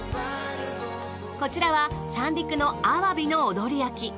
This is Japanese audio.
こちらは三陸のあわびの踊り焼き。